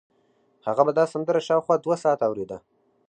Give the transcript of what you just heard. هغه به دا سندره شاوخوا دوه ساعته اورېده